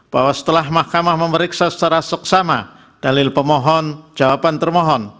bahwa setelah mahkamah memeriksa secara seksama dalil pemohon jawaban termohon